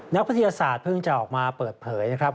นักวิทยาศาสตร์เพิ่งจะออกมาเปิดเผยนะครับ